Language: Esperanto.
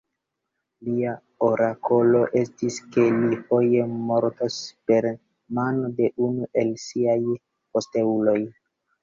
Lia orakolo estis, ke li foje mortos per mano de unu el siaj posteuloj.